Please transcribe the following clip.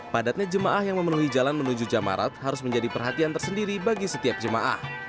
padatnya jemaah yang memenuhi jalan menuju jamarat harus menjadi perhatian tersendiri bagi setiap jemaah